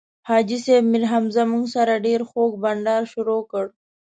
حاجي صیب میرحمزه موږ سره ډېر خوږ بنډار شروع کړ.